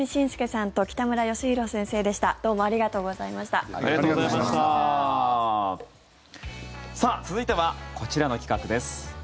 さあ、続いてはこちらの企画です。